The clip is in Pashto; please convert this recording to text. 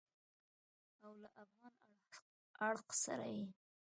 او له افغان اړخ سره یې